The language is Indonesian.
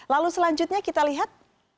lalu selanjutnya kita lihat